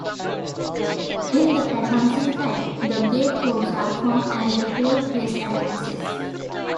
In the advancing type, the gate roads are formed as the coal face advances.